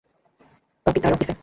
পাপি তার অফিসে।